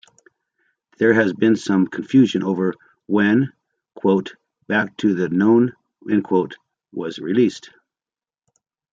There has been some confusion over when "Back to the Known" was released.